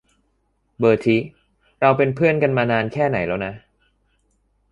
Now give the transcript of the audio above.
เบอร์ทิ เราเป็นเพือนกันมานานแค่ไหนแล้วนะ ?